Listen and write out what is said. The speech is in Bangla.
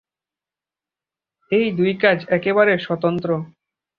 এই দুই কাজ একেবারে স্বতন্ত্র।